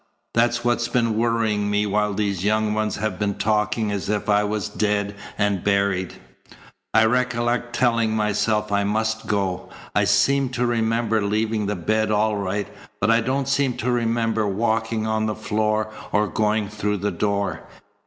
That's what's been worrying me while these young ones have been talking as if I was dead and buried. I recollect telling myself I must go. I seem to remember leaving the bed all right, but I don't seem to remember walking on the floor or going through the door.